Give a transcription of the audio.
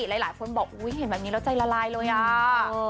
หลายคนบอกอุ๊ยเห็นแบบนี้แล้วใจละลายเลยอ่ะ